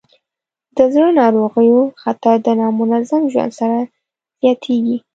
د زړه ناروغیو خطر د نامنظم ژوند سره زیاتېږي.